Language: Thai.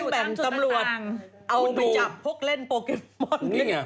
เราต้องแบ่งตำรวจเอาไปจับพวกเล่นโปเกมอน